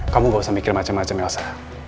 kamu gak usah mikir macam macam ya osa